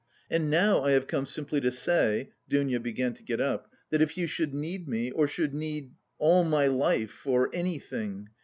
And now I have come simply to say" (Dounia began to get up) "that if you should need me or should need... all my life or anything...